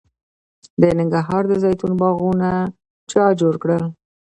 د ننګرهار د زیتون باغونه چا جوړ کړل؟